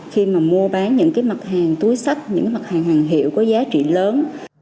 khi mà mua bán những cái mặt hàng túi sách những mặt hàng hàng hiệu có giá trị lớn